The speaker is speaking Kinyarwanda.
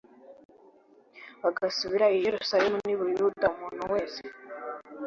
Bagasubira i yerusalemu n i buyuda umuntu wese